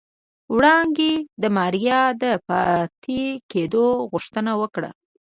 وړانګې د ماريا د پاتې کېدو غوښتنه وکړه.